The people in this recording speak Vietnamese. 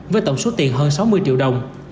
với tổng số tiền hơn sáu mươi triệu đồng